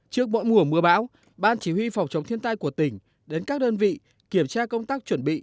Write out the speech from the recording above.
trước mỗi mùa mưa bão ban chỉ huy phòng chống thiên tai của tỉnh đến các đơn vị kiểm tra công tác chuẩn bị